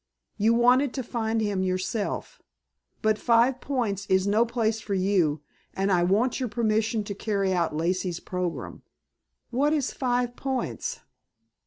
You wanted to find him yourself. But Five Points is no place for you, and I want your permission to carry out Lacey's program." "What is Five Points?"